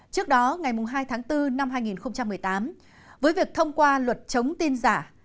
trước đó ngày hai tháng bốn năm hai nghìn một mươi tám với việc thông qua luật chống tin giả